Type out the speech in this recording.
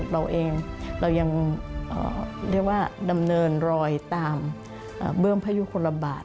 เราเองเรายังเรียกว่าดำเนินรอยตามเบื้องพยุคลบาท